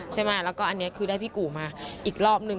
ใช่ไหมแล้วก็อันนี้คือได้พี่กู่มาอีกรอบนึง